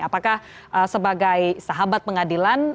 apakah sebagai sahabat pengadilan